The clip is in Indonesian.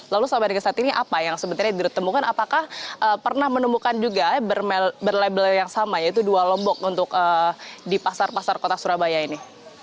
lalu sampai dengan saat ini apa yang sebenarnya ditemukan apakah pernah menemukan juga berlabel yang sama yaitu dua lombok untuk di pasar pasar kota surabaya ini